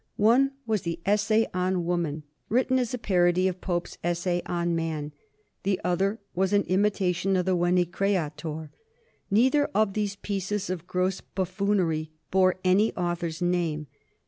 One was the "Essay on Woman," written as a parody of Pope's "Essay on Man;" the other was an imitation of the "Veni Creator." Neither of these pieces of gross buffoonery bore any author's name.